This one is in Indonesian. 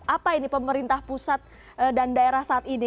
apa ini pemerintah pusat dan daerah saat ini